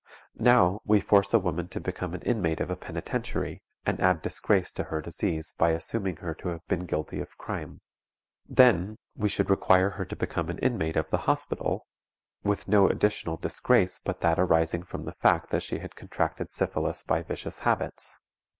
Now, we force a woman to become an inmate of a penitentiary, and add disgrace to her disease by assuming her to have been guilty of crime. Then, we should require her to become an inmate of the Hospital, with no additional disgrace but that arising from the fact that she had contracted syphilis by vicious habits.